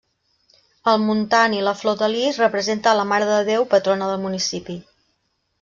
El muntant i la flor de lis representa la Mare de Déu, patrona del municipi.